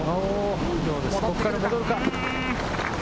ここから戻るか？